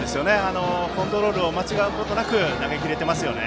コントロールを間違うことなく投げ切れています。